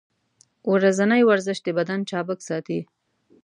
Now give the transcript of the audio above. ورځنی ورزش د بدن چابک ساتي.